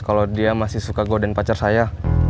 kalau dia masih suka gw dan pacar saya